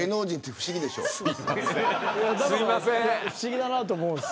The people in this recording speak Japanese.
不思議だなと思います